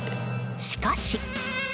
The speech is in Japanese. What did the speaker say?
しかし。